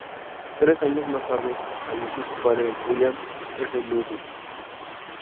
Tres años más tarde falleció su padre William F Ludwig.